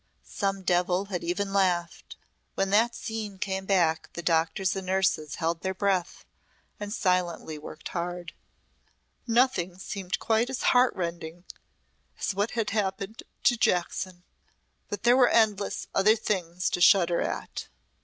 Some devil had even laughed. When that scene came back the doctors and nurses held their breath and silently worked hard. Nothing seemed quite as heart rending as what had happened to Jackson. But there were endless other things to shudder at.